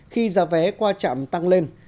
khi giá vé qua chạm tăng lên